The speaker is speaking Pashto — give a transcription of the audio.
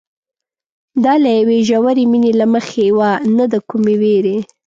دا له یوې ژورې مینې له مخې وه نه د کومې وېرې.